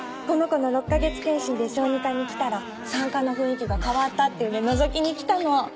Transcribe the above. この子の６か月検診で小児科に来たら産科の雰囲気が変わったっていうんで覗きに来たの。